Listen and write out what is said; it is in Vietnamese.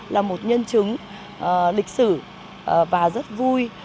là một nhân chứng lịch sử và rất vui